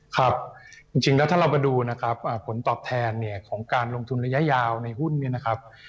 ครับจริงแล้วถ้าเรามาดูนะครับผลตอบแทนเนี่ยของการลงทุนระยะยาวในหุ้นเนี่ยนะครับ